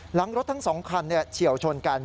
หลังรถทั้ง๒คันเฉียวชนกัน